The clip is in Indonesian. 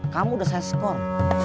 kamu udah saya sekol